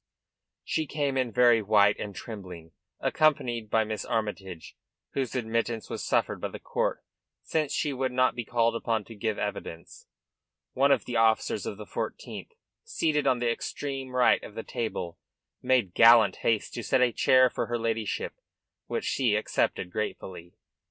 She came in very white and trembling, accompanied by Miss Armytage, whose admittance was suffered by the court, since she would not be called upon to give evidence. One of the officers of the Fourteenth seated on the extreme right of the table made gallant haste to set a chair for her ladyship, which she accepted gratefully.